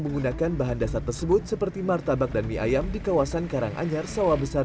menggunakan bahan dasar tersebut seperti martabak dan mie ayam di kawasan karanganyar sawah besar